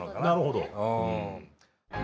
なるほど。